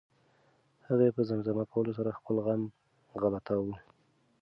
هغه په زمزمه کولو سره خپل غم غلطاوه.